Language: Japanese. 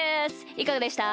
いかがでした？